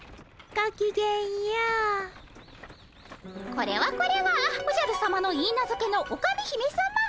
これはこれはおじゃるさまのいいなずけのオカメ姫さま。